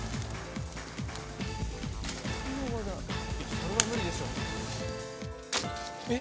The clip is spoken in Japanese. それは無理でしょ。えっ！